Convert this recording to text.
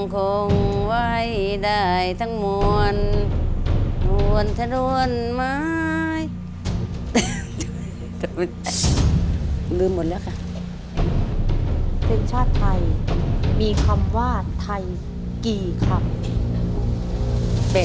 เพลงชาติไทยมีคำว่าไทยกี่คำ